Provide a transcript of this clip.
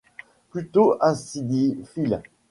Plutôt acidiphile.